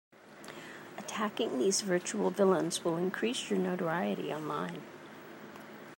Attacking these virtual villains will increase your notoriety online.